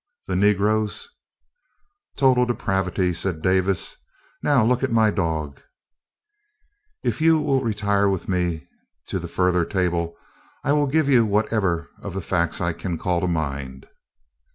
The negroes " "Total depravity," said Davis. "Now look at my dog " "If you will retire with me to the further table I will give you whatever of the facts I can call to mind."